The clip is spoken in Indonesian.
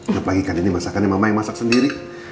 terus lagi kan ini masakan yang mama yang masak sendiri